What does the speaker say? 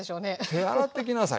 「手洗ってきなさい」。